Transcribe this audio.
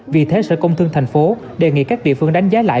vì thế sở công thương tp hcm đề nghị các địa phương đánh giá lại